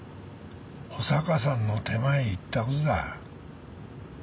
保坂さんの手前言ったことだ。